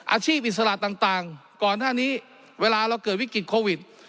อิสระต่างก่อนหน้านี้เวลาเราเกิดวิกฤตโควิด